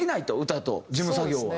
歌と事務作業は。